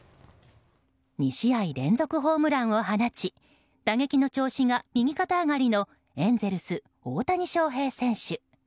２試合連続ホームランを放ち打撃の調子が右肩上がりのエンゼルス、大谷翔平選手。